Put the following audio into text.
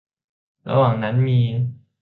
ระหว่างนั้นมี